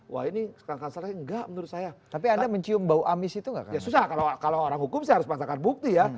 wah ini sekarang kan salah nggak menurut saya